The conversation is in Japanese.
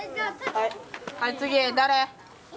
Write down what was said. はい次誰？